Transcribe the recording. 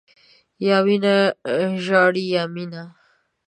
یا وینه ژاړي، یا مینه.